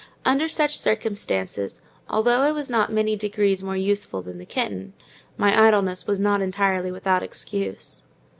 Under such circumstances, although I was not many degrees more useful than the kitten, my idleness was not entirely without excuse.